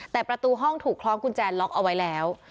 แต่ประตูห้องถูกคล้องกุญแจล็อกเอาไว้แล้ว